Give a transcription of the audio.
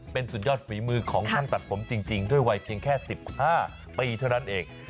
เป็นสุดยอดฝีมือของช่างตัดผมจริงด้วยวัยเพียงแค่๑๕ปีเท่านั้นเอง